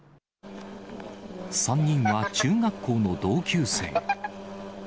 ３人は中学校の同級生。